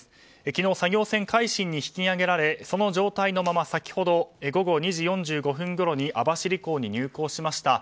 昨日、作業船「海進」に引き揚げられその状態のまま、先ほど午後２時４５分ごろに網走港に入港しました。